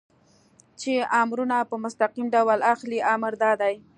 چې امرونه په مستقیم ډول اخلئ، امر دا دی.